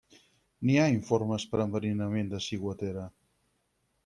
N'hi ha informes per enverinament de ciguatera.